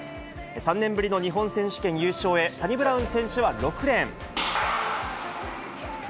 ３年ぶりの日本選手権優勝へ、サニブラウン選手は６レーン。